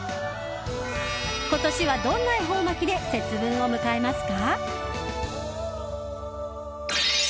今年はどんな恵方巻きで節分を迎えますか？